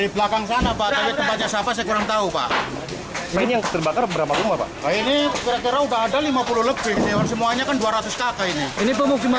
pemudaman pada depan